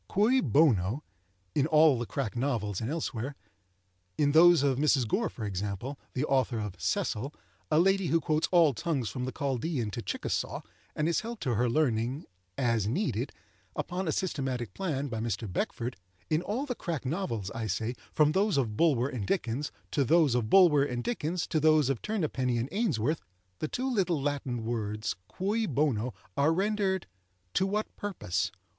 "Cui bono?" in all the crack novels and elsewhere,—in those of Mrs. Gore, for example, (the author of "Cecil,") a lady who quotes all tongues from the Chaldaean to Chickasaw, and is helped to her learning, "as needed," upon a systematic plan, by Mr. Beckford,—in all the crack novels, I say, from those of Bulwer and Dickens to those of Bulwer and Dickens to those of Turnapenny and Ainsworth, the two little Latin words cui bono are rendered "to what purpose?"